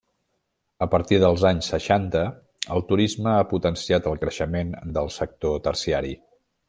A partir dels anys seixanta, el turisme ha potenciat el creixement del sector terciari.